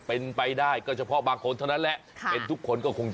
เออเอาตามสะดวกแล้วกัน